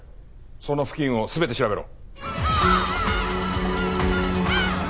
その付近を全て調べろ。